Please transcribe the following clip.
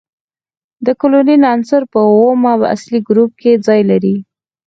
د کلورین عنصر په اووم اصلي ګروپ کې ځای لري.